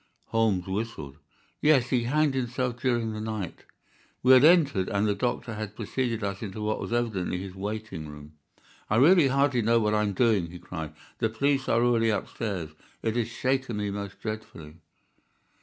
Holmes whistled. "Yes, he hanged himself during the night." We had entered, and the doctor had preceded us into what was evidently his waiting room. "I really hardly know what I am doing," he cried. "The police are already upstairs. It has shaken me most dreadfully."